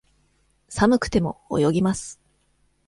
寒くても、泳ぎます。